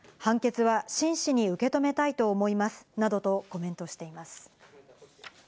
判決は真摯に受け止めたいと思いますなどとコメントしています。